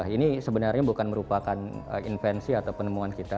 ini sebenarnya bukan merupakan invensi atau penemuan kita